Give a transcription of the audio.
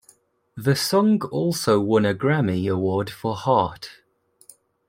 The song also won a Grammy Award for Hart.